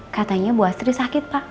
katanya bu astri sakit pak